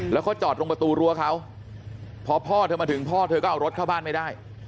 แล้วเขาจอดตรงประตูรั้วเขาพอพ่อเธอมาถึงพ่อเธอก็เอารถเข้าบ้านไม่ได้